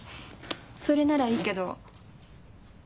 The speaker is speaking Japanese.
それならいいけど。